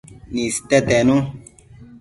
niste tenu